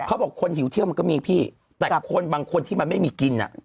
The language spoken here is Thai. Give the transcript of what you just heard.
เขาบอกคนหิวเที่ยวมันก็มีพี่แต่คนบางคนที่มันไม่มีกิน